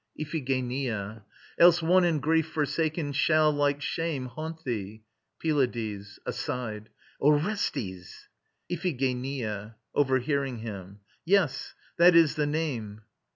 IPHIGENIA. "Else one in grief forsaken shall, like shame, Haunt thee." PYLADES (aside). Orestes! IPHIGENIA (overhearing him). Yes: that is the name.